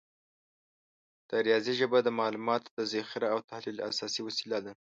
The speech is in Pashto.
د ریاضي ژبه د معلوماتو د ذخیره او تحلیل اساسي وسیله ده.